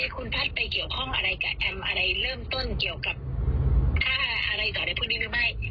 คุณพัฒน์ไปเกี่ยวข้องอะไรกับแอมอะไรเริ่มต้นเกี่ยวกับค่าอะไรต่ออะไรพวกนี้หรือไม่